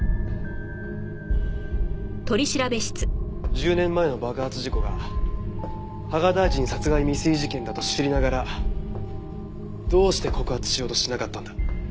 １０年前の爆発事故が芳賀大臣殺害未遂事件だと知りながらどうして告発しようとしなかったんだ？